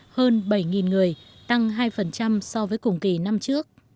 hơn bảy người tăng hai so với cùng kỳ năm trước